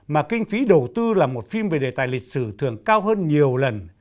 mà kinh phí đầu tư là một phim về đề tài lịch sử thường cao hơn nhiều lần